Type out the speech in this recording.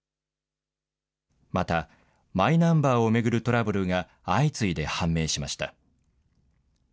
またマイナンバーを巡るトラブルが相次いで判明しました。